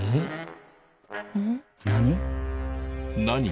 何？